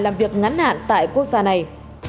làm việc ngắn hạn tại quốc gia này